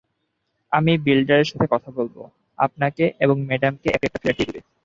আমি বিল্ডারের সাথে কথা বলবো আপনাকে এবং ম্যাডামকে একটা একটা ফ্লেট দিয়ে দিবো।